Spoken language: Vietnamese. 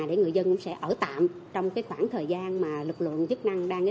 để người dân sẽ ở tạm trong khoảng thời gian mà lực lượng chức năng đang